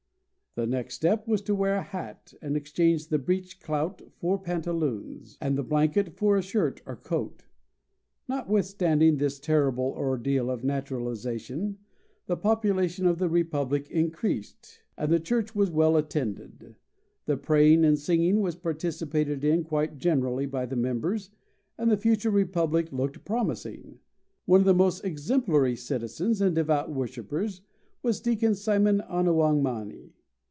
The next step was to wear a hat, and exchange the breech clout for pantaloons, and the blanket for a shirt or coat. Notwithstanding this terrible ordeal of naturalization, the population of the republic increased, and the church was well attended. The praying and singing was participated in quite generally by the members, and the future republic looked promising. One of the most exemplary citizens and devout worshippers was deacon Simon Ana wang ma ni.